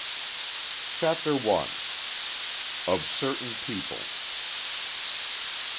CHAPTER ONE. OF CERTAIN PEOPLE.